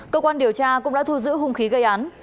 cơ quan điều tra cũng đã thu giữ hung khí gây án